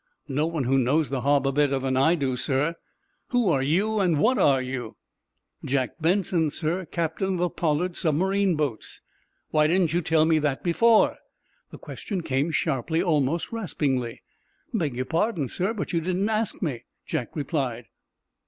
"No one who knows the harbor better than I do, sir." "Who are you? What are you?" "Jack Benson, sir. Captain of the Pollard submarine boats." "Why didn't you tell me that before?" The question came sharply, almost raspingly. "Beg your pardon, sir, but you didn't ask me," Jack replied.